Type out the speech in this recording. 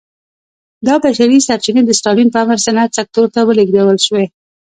دا بشري سرچینې د ستالین په امر صنعت سکتور ته ولېږدول شوې